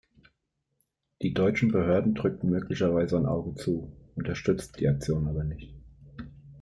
Die deutschen Behörden drückten möglicherweise ein Auge zu, unterstützten die Aktion aber nicht.